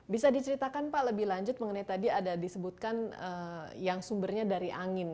bisa diceritakan pak lebih lanjut mengenai tadi ada disebutkan yang sumbernya dari angin